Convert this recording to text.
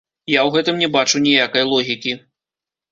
Я ў гэтым не бачу ніякай логікі.